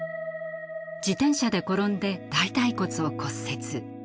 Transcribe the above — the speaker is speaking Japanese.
自転車で転んで大たい骨を骨折。